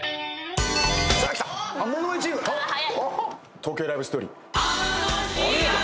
『東京ラブストーリー』お見事。